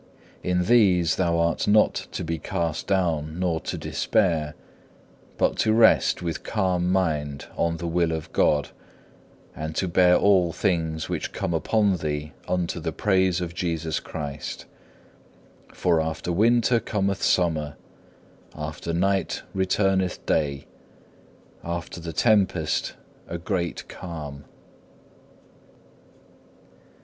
In these thou art not to be cast down nor to despair, but to rest with calm mind on the will of God, and to bear all things which come upon thee unto the praise of Jesus Christ; for after winter cometh summer, after night returneth day, after the tempest a great calm.